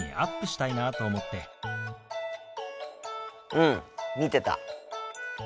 うん見てた。